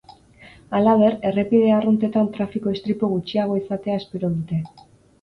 Halaber, errepide arruntetan trafiko-istripu gutxiago izatea espero dute.